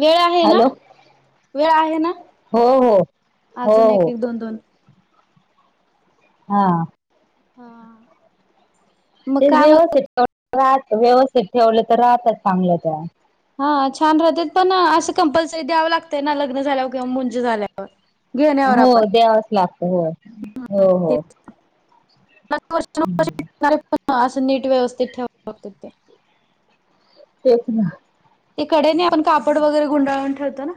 वेळ आहे ना, हॅलो वेळ आहे ना हो हो हो अजून हो एक एक, दोन दोन हा. हा. मग काय म्हणत व्यवस्थित ठेवलं, व्यवस्थित ठेवलं तर राहतात चांगलं त्या. हा छान राहत्यात, पण असं कंपल्सरी द्यावं लागतंय ना, लग्न झाल्यावर किंवा मुंज झाल्या हो द्यावाच लागत होय. हो, हो. [unintelligible] असं निट व्यवस्थित ठेवावं [unintelligible] तेच ना. ते कडेने आपण कापड वगैरे गुंडाळून ठेवतो ना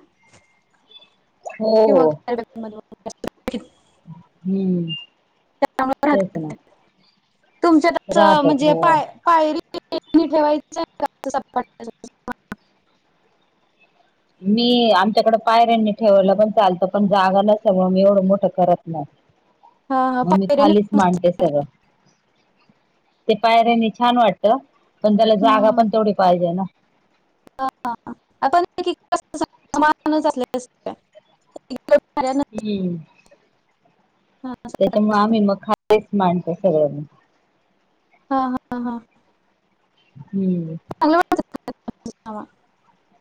हो किंवा हो [unintelligible] हम्म, तेच ना. तुमच्यात अस राहतात म्हणजे हो पाय पायरी [unintelligible] मी आमच्याकडे पायऱ्यांनी ठेवायला पण चालतं, पण जागा नसल्यामुळ मी एवढं मोठं करत नाही. [inaudible] मग मी पायऱ्याने खालीच मांडते सगळं. ते पायऱ्यानी छान वाटत, पण त्याला जागा हम्म पण तेवढी पाहिजे ना? [unintelligible] हम्म. [unintelligible] त्याच्यामुळे, आम्ही मग [unintelligible] मांडतो सगळ मग. हा, हा, हा. हम्म. [unintelligible]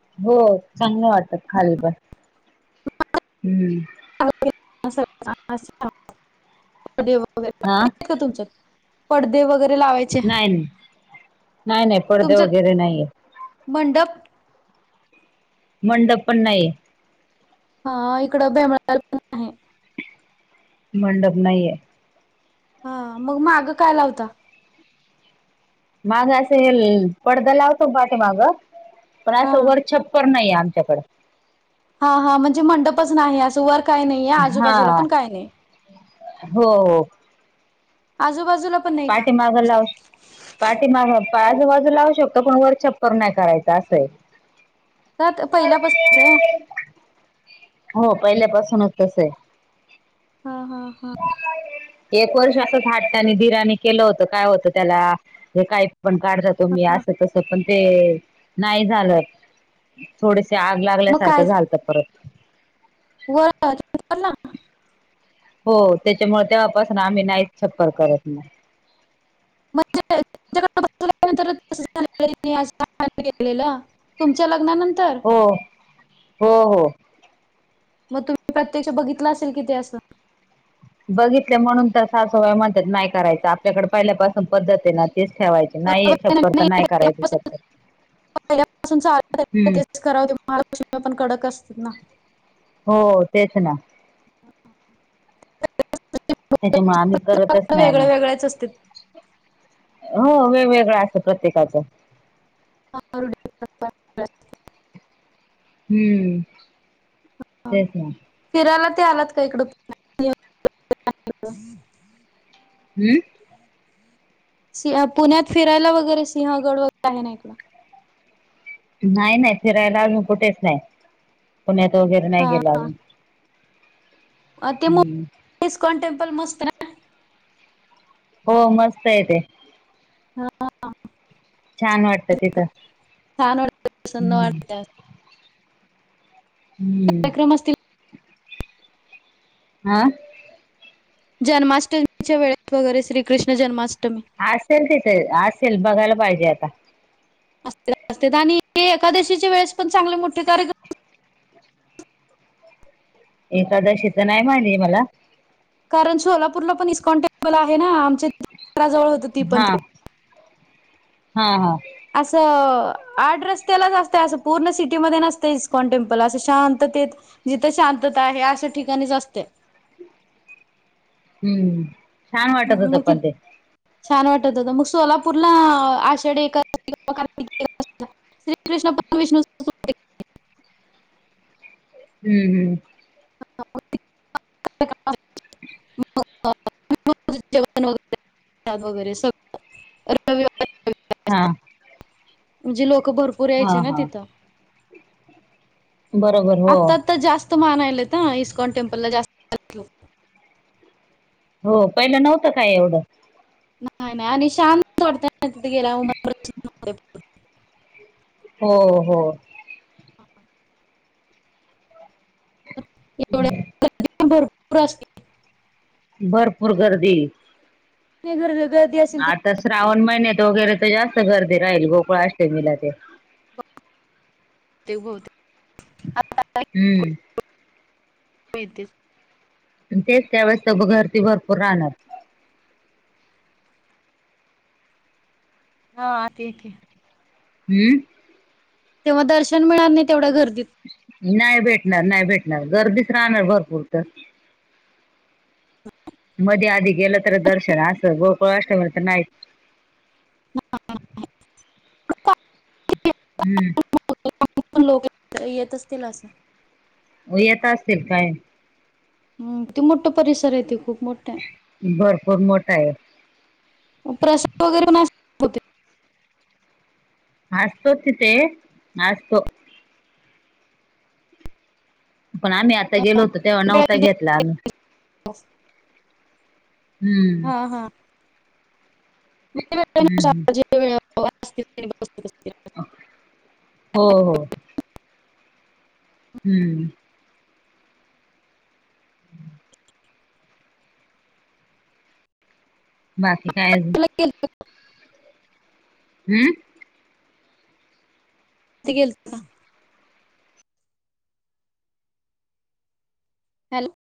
[unintelligible] [unintelligible] हा? तेचंच पडते वगैरे लावायचं नाही नाही नाही नाही, पडदे तुमचं वगैरे नाहीये. मंडप? मंडप पण नाहीेये. हा इकडं [unintelligible] मंडप नाहीये. हा, मग माग काय लावता? माग असं हे नी, पडदा लावतो पाठीमाग. पण असं हां. वर छप्पर नाहीये आमच्याकडे. हा हा म्हणजे मंडपच नाही, असं वर काय नाहीये, हा आजूबाजूला पण काय नाहीये. हो हो आजूबाजूला पण नाही का? पाठीमागं लावू पाठीमाग, आजूबाजूला लावू शकतो. पण वर छप्पर नाही करायचं असंय. का पहिल्यापासूनचे? हो, पहिल्यापासूनच तसंय. हा हा हा. एक वर्ष असंच हट्टानी दिरानी केलं होतं, काय होतं त्याला? हे काही पण काढता तुम्ही? हां. असं, तसं पण ते नाही झालं. थोडेसे आग मग लागल्यासारखं काय झालंत परत. वर [unintelligible] हो, त्याच्यामुळे तेव्हापासून आम्ही नाहीच छप्पर करत मग. [unintelligible] [unintelligible] तुमच्या लग्नानंतर? हो, हो हो. मग तुम्ही प्रत्यक्ष बघितलं असेल की ते असं? बघितलं म्हणून त सासूबाई म्हणतात नाही करायच. आपल्याकडे पहिल्यापासून पद्धत आहे ना, तेच ठेवायच. नाहीय बरोबर आहे ना? छप्पर, तर नाही करायच पहिल्यापासून छप्पर. [unintelligible] हम्म महालक्ष्मी पण कडक असतेत ना. हो, तेच ना. त्याच्यामुळ आम्ही करतच नाही वेगळ्या मग. वेगळ्याच असतात. हो, वेगवेगळं असतं प्रत्येकाचं. [unintelligible] हम्म, तेच ना. फिरायला ते आलात का इकड? [unintelligible] हम्म. सिं पुण्यात फिरायला वगैरे, सिंहगड वगैरे आहे ना इकडं. नाही नाही, फिरायला अजून कुठेच नाही. पुण्यात वगैरे नाही हां गेलो अजून. हम्म [unintelligible] हो, मस्तय ते. हा. छान वाटत तिथं. छान वाटतं प्रसन्न हम्म. वाटतं. हम्म. कार्यक्रम असतील हा? जन्माष्टमीच्या वेळेस वगैरे, श्रीकृष्ण जन्माष्टमी. असेल तिथे असेल. बघायला पाहिजे आता. अस आणि हे एकादशीच्या वेळेस पण चांगले मोठे कार्यक्रम एकादशी तर नाही माहीत मला कारण सोलापूरला पण इस्कॉन् टेम्पल आहे ना आमच्या घरा जवळ होत ती पण हा तिकड हा हा असं आड रस्त्यालाच असतं असं पूर्ण सिटीमध्ये नसत इस्कॉन टेम्पल असं शांततेत जिथे शांतता आहे हे अशा ठिकाणीच असते. हम्म छान वाटत हम् होत मग पण तिथं ते छान वाटत होता मग सोलापूरला आषाढी एकादशी श्रीकृष्ण पण हम्म हम्म विष्णू जेवणग वगैरे सग रविवार हा म्हणजे लोक भरपूर हा यायचे ना हा तिथं बरोबर हो आता तर जास्त मान आले ना इस्कॉन टेम्पल ला जास्त हो पहिलं नव्हतं काय एवढं नाही नाही आणि शांत वाटते तिथे गेल्या्वर प्रसन हो हो एवढ्या रात्री पण भरपूर असतील भरपूर गर्दी गर्दी असेल तिथे तर श्रावण महिन्यात वगैरे तर जास्त गर्दी राहील गोकुळ आष्टीमाला ते ते बहुतेक हम्म माहिती तेच त्यावेेळेस घरती भरपूर राहणार हा आती येते हम्म तेव्हा दर्शन मिळणार नाही, तेवढ्या गर्दीत- नाही भेटणार नाही भेटणार गर्दीच राहणार भरपूर तर मध्ये आधी गेलं तर दर्शन असं गोकुळा अष्टमी तर नाहीच हां हम्म पण लोक येत असतील असं. हो येेत असतील काय? हम्म. ते मोठ परिसर आहे ते खूप मोठा आहे. भरपूर मोठा आहे. प्रसाद वगैरे पण अस असतो तिथे असतो. पण आम्ही आता गेलो होतो तेव्हा वेळेला नव्हता ते- घेतला आम्ही. हम्म. हा हा हम्म [inaudible] वेळ असतील. हो हो. हम्म. [inaudible] बाकी काय अजून? [unintelligible] हम्म. ते गेलत का? हॅल